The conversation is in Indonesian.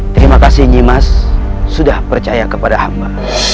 terima kasih nyimas sudah percaya kepada hamba